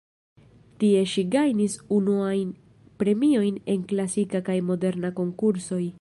Tie ŝi gajnis unuajn premiojn en klasika kaj moderna konkursoj.